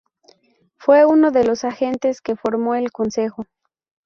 Fue uno de los agentes que formó el consejo.